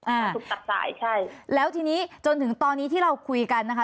ถูกตัดสายใช่แล้วทีนี้จนถึงตอนนี้ที่เราคุยกันนะคะ